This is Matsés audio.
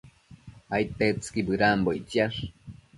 Aidtetsëqui bëdambo ictsiash